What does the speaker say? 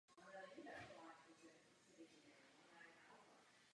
Nakonec jej ale Richmond zabije a stane se králem.